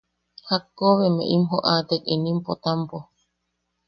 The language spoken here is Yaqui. ¿Jakko be emeʼe im joʼatek inim Potampo?